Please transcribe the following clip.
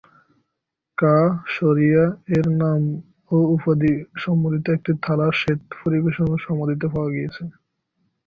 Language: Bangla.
কা'আ'-এর নাম ও উপাধি সম্বলিত একটি থালা শেথ-পেরিবসেন এর সমাধিতে পাওয়া গিয়েছে।